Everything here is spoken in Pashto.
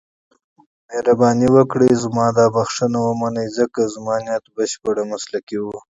مهرباني وکړئ زما دا بښنه ومنئ، ځکه زما نیت بشپړ مسلکي و.